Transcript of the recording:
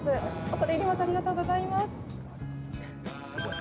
恐れ入りますありがとうございます。